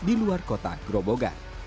di luar kota gerobogan